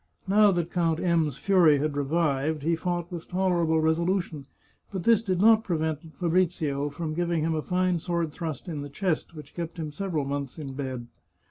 Now that Count M 's fury had revived, he fought with tolerable resolution, but this did not prevent Fabrizio from giving him a fine sword thrust in the chest, which kept him several months in bed.